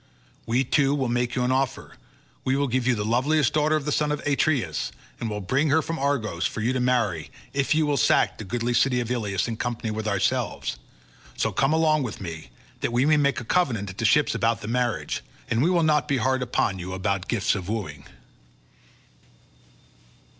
We too will make you an offer; we will give you the loveliest daughter of the son of Atreus, and will bring her from Argos for you to marry, if you will sack the goodly city of Ilius in company with ourselves; so come along with me, that we may make a covenant at the ships about the marriage, and we will not be hard upon you about gifts of wooing."